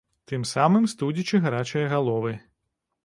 Тым самым студзячы гарачыя галовы.